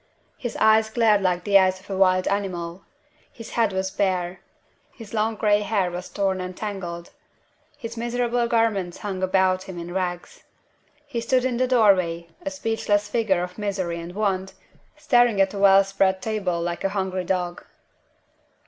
His eyes glared like the eyes of a wild animal; his head was bare; his long gray hair was torn and tangled; his miserable garments hung about him in rags. He stood in the doorway, a speechless figure of misery and want, staring at the well spread table like a hungry dog.